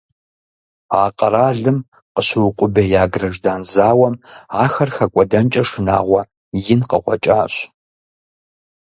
А къэралым къыщыукъубея граждан зауэм ахэр хэкӀуэдэнкӀэ шынагъуэ ин къыкъуэкӀащ.